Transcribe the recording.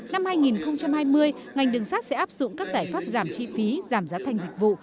năm hai nghìn hai mươi ngành đường sát sẽ áp dụng các giải pháp giảm chi phí giảm giá thành dịch vụ